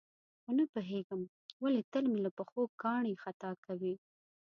خو نه پوهېږم ولې تل مې له پښو کاڼي خطا کوي.